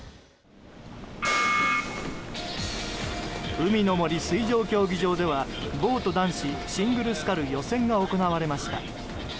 海の森水上競技場ではボート男子シングルスカル予選が行われました。